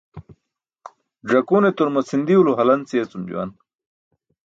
Ẓakune turma cʰindiwlo halanc yeecum juwan.